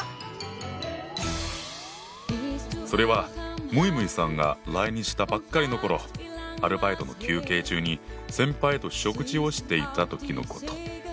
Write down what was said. それはむいむいさんが来日したばっかりの頃アルバイトの休憩中に先輩と食事をしていた時のこと。